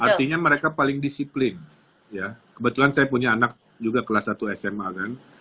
artinya mereka paling disiplin ya kebetulan saya punya anak juga kelas satu sma kan